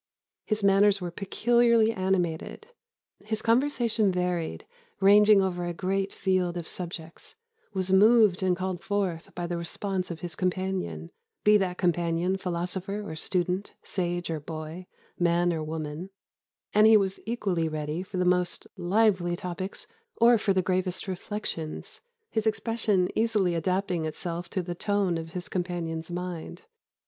His manners were peculiarly animated; his conversation varied, ranging over a great field of subjects, was moved and called forth by the response of his companion, be that companion philosopher or student, sage or boy, man or woman; and he was equally ready for the most lively topics or for the gravest reflections his expression easily adapting itself to the tone of his companion's mind.